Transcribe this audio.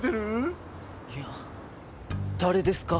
いや誰ですか？